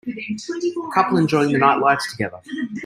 A couple enjoying the night lights together.